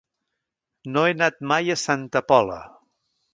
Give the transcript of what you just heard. No he anat mai a Santa Pola.